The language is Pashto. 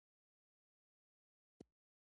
افغانستان کې د ریګ دښتې د هنر په اثار کې منعکس کېږي.